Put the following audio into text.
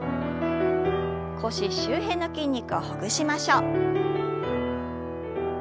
腰周辺の筋肉をほぐしましょう。